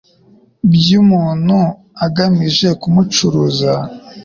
by umuntu agamije kumucuruza